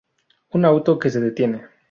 Un auto que se detiene.